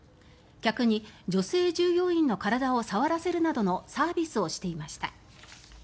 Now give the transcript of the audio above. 客に女性従業員の体を触らせるなどのサービスをしていました。